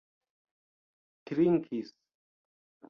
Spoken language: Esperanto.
trinkis